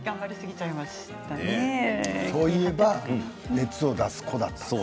そういえば熱を出す子だった。